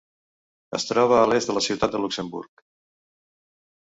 Es troba a l'est de la ciutat de Luxemburg.